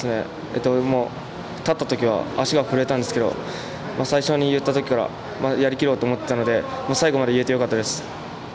立ったときは足が震えたんですけど最初に言ったときからやりきろうと思っていたので最後まで言えてよかったです。